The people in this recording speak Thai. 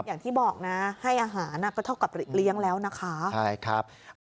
อย่างที่บอกนะให้อาหารก็เท่ากับเลี้ยงแล้วนะคะใช่ครับ